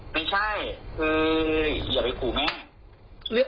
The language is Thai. ไม่ใช่คืออย่าไปขู่แม่